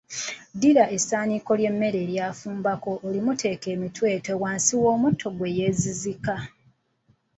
Ddira essaaniiko ly’emmere eryafumbako olimuteeke emitweetwe wansi w’omutto gwe yeezizika.